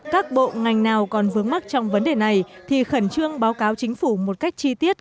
các bộ ngành nào còn vướng mắc trong vấn đề này thì khẩn trương báo cáo chính phủ một cách chi tiết